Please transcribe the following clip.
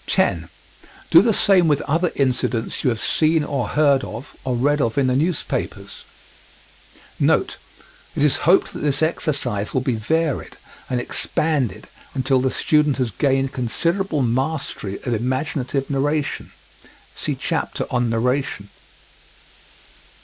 10. Do the same with other incidents you have seen or heard of, or read of in the newspapers. NOTE: It is hoped that this exercise will be varied and expanded until the pupil has gained considerable mastery of imaginative narration. (See chapter on "Narration.")